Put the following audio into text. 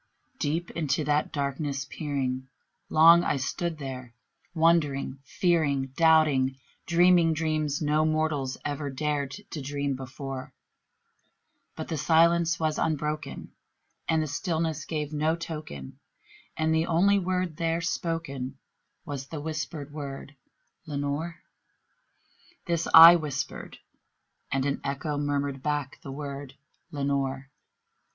Deep into that darkness peering, long I stood there wondering, fearing, Doubting, dreaming dreams no mortal ever dared to dream before; But the silence was unbroken, and the darkness gave no token, And the only word there spoken was the whispered word, "Lenore!" This I whispered, and an echo murmured back the word, "Lenore!"